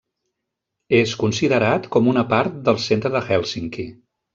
És considerat com una part del centre de Hèlsinki.